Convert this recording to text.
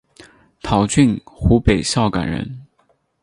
陶峻湖北孝感人。